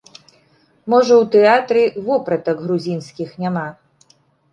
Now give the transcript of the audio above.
Можа, у тэатры вопратак грузінскіх няма.